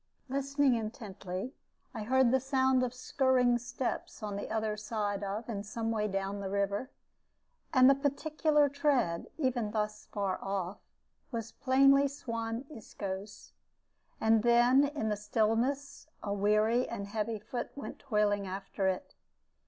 Listening intently, I heard the sound of skirring steps on the other side of and some way down the river; and the peculiar tread, even thus far off, was plainly Suan Isco's. And then in the stillness a weary and heavy foot went toiling after it.